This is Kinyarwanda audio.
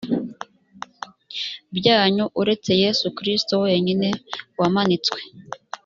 byanyu uretse yesu kristoh wenyine wamanitswe